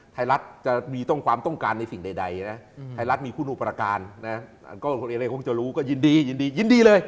ทัยรัฐจะมีความต้องการในสิ่งใดทัยรัฐมีคุณุปราการเรคงจะรู้ก็ยินดียินดีเลย